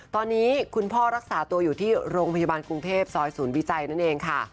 ตอนนี้คุณพ่อรักษาตัวอยู่ที่โรงพยาบาลกรุงเทพซอยศูนย์วิจัยนั่นเองค่ะ